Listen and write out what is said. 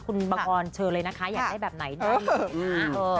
คุณบังออนเชิญเลยนะคะอยากได้แบบไหนได้เลยนะคะ